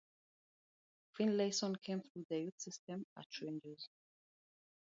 Finlayson came through the youth system at Rangers.